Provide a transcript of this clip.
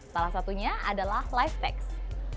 salah satunya adalah live text